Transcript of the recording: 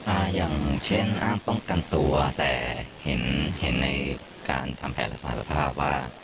อ่าอย่างเช่นอ้างป้องกันตัวแต่เห็นเห็นในการทำแผนรักษาสภาพว่า